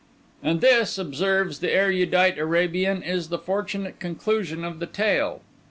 (And this, observes the erudite Arabian, is the fortunate conclusion of the tale.